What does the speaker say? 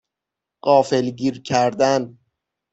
غافلگیر کردن